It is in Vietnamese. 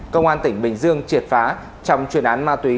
công an tỉnh bình dương triệt phá trong chuyên án ma túy